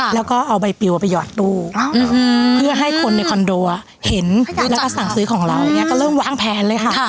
แล้วก็เอาใบปิวไปหยอดตู้เพื่อให้คนในคอนโดเห็นแล้วก็สั่งซื้อของเราอย่างนี้ก็เริ่มวางแผนเลยค่ะ